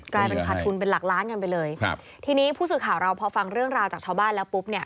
กลายเป็นขาดทุนเป็นหลักล้านกันไปเลยครับทีนี้ผู้สื่อข่าวเราพอฟังเรื่องราวจากชาวบ้านแล้วปุ๊บเนี่ย